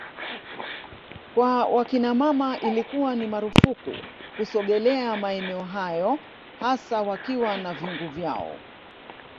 kwa wakinamama ilikuwa ni marufuku kusogelea maeneo hayo hasa wakiwa na vyungu vyao